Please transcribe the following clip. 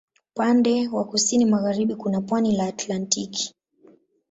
Upande wa kusini magharibi kuna pwani la Atlantiki.